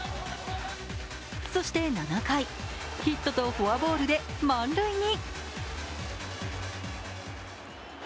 そして７回、ヒットとフォアボールで満塁に。